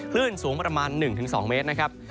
คลื่นสูงประมาณ๑๒เมตรนะครับ